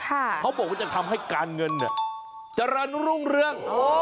ท่าเขาบอกว่าจะทำให้การเงินจรรรรุ่งเรื่อง